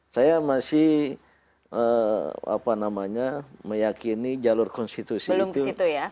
saya masih meyakini jalur konstitusi itu